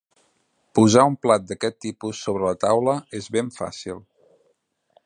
Posar un plat d'aquest tipus sobre la taula és ben fàcil.